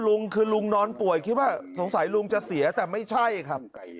ลุงคือลุงนอนป่วยคิดว่าสงสัยลุงจะเสียแต่ไม่ใช่ครับ